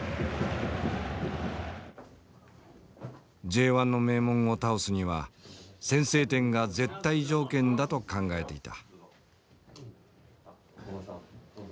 Ｊ１の名門を倒すには先制点が絶対条件だと考えていた。